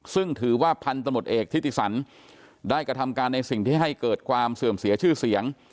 ซึ่งถือว่าพันธมตเอกทิติสันได้กระทำการในสิ่งที่ให้เกิดความเสื่อมเสียชื่อเสียง